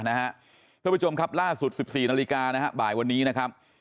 ท่านผู้ชมครับล่าสุด๑๔นาฬิกานะฮะบ่ายวันนี้นะครับ